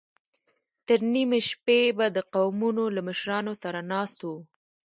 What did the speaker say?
تر نيمې شپې به د قومونو له مشرانو سره ناست و.